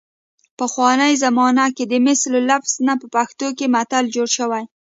پخوانۍ زمانه کې د مثل لفظ نه په پښتو کې متل جوړ شوی